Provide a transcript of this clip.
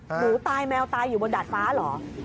หนูตายแมวตายอยู่บนดาดฟ้าเหรอ